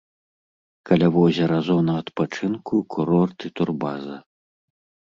Каля возера зона адпачынку, курорт і турбаза.